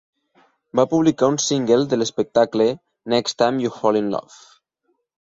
Va publicar un single de l'espectacle: "Next Time You Fall in Love".